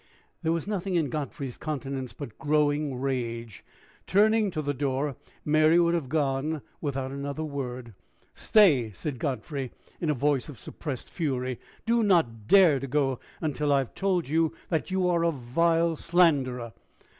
There was nothing in Godfrey's countenance but growing rage. Turning to the door, Mary would have gone without another word. "Stay!" cried Godfrey, in a voice of suppressed fury. "Do not dare to go until I have told you that you are a vile slanderer.